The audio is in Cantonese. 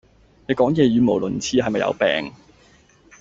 你講野語無倫次係咪有病